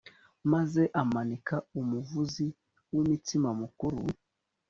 maze amanika umuvuzi w’imitsima mukuru